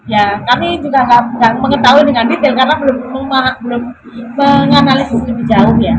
ya kami juga nggak mengetahui dengan detail karena belum menganalisis lebih jauh ya